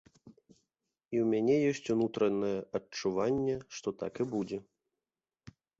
І ў мяне ёсць унутранае адчуванне, што так і будзе.